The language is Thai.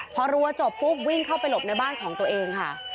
พอรัวจบปุ๊บวิ่งเข้าไปหลบในบ้านของตัวเองค่ะ